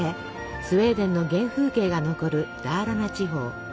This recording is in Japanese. スウェーデンの原風景が残るダーラナ地方。